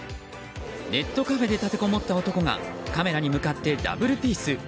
ネットカフェで立てこもった男がカメラに向かってダブルピース。